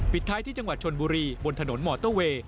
ท้ายที่จังหวัดชนบุรีบนถนนมอเตอร์เวย์